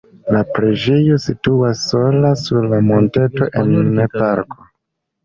La preĝejo situas sola sur monteto en parko.